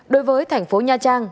đối với thành phố nha trang